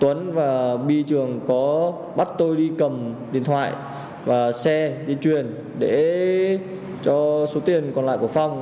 tuấn và bi trường có bắt tôi đi cầm điện thoại và xe đi truyền để cho số tiền còn lại của phong